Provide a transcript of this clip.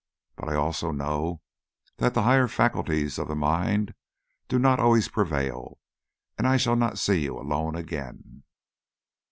But I also know that the higher faculties of the mind do not always prevail, and I shall not see you alone again."